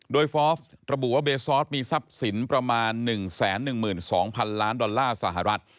โดยฟอร์ฟระบุว่าเบซอสมีทรัพย์สินประมาณ๑๑๒๐๐๐ล้านดอลลาร์สหรัฐ